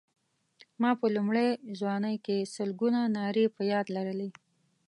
ما په لومړۍ ځوانۍ کې سلګونه نارې په یاد لرلې.